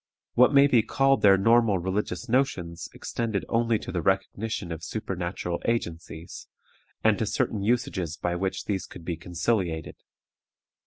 What may be called their normal religious notions extended only to the recognition of supernatural agencies, and to certain usages by which these could be conciliated.